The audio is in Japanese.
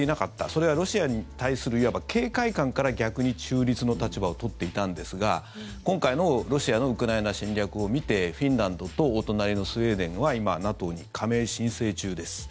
それはロシアに対するいわば警戒感から逆に中立の立場を取っていたんですが今回のロシアのウクライナ侵略を見てフィンランドとお隣のスウェーデンは今、ＮＡＴＯに加盟申請中です。